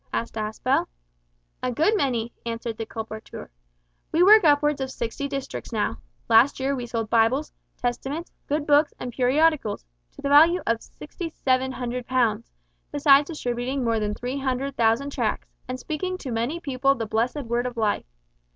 asked Aspel. "A good many," answered the colporteur. "We work upwards of sixty districts now. Last year we sold Bibles, Testaments, good books and periodicals, to the value of 6700 pounds, besides distributing more than 300,000 tracts, and speaking to many people the blessed Word of Life.